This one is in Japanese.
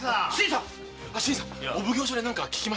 新さんお奉行所で何か聞きました？